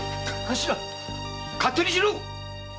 勝手にしろ！